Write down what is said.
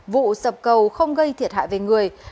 vụ sập cầu không gây thiệt hại về người